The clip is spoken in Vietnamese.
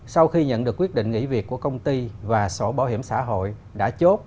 sau khi nhận được quyết định nghỉ việc của công ty và sổ bảo hiểm xã hội đã chốt